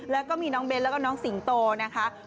แล้วก็มีน้องเบ้นแล้วก็น้องสิงโตนะคะ